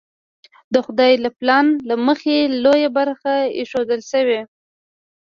د خدای له پلان له مخې لویه برخه ایښودل شوې.